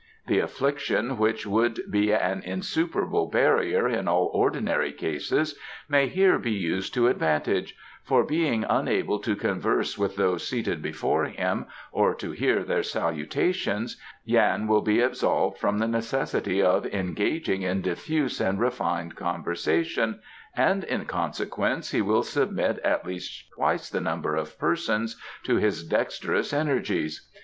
The affliction which would be an insuperable barrier in all ordinary cases may here be used to advantage, for being unable to converse with those seated before him, or to hear their salutations, Yan will be absolved from the necessity of engaging in diffuse and refined conversation, and in consequence he will submit at least twice the number of persons to his dexterous energies.